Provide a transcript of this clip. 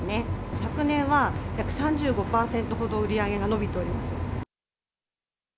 昨年は約３５％ほど売り上げが伸びております。